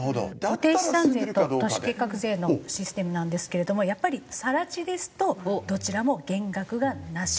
固定資産税と都市計画税のシステムなんですけれどもやっぱり更地ですとどちらも減額がなし。